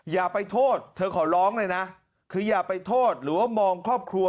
อย่าไปโทษเธอขอร้องเลยนะคืออย่าไปโทษหรือว่ามองครอบครัว